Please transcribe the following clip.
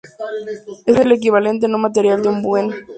Es el equivalente no material de un bien.